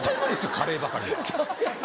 カレーばかりは。